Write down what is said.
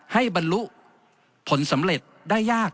บรรลุผลสำเร็จได้ยาก